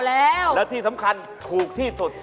แล้วที่สำคัญถูกที่สุด